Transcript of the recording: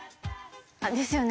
ですよね。